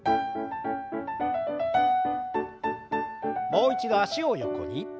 もう一度脚を横に。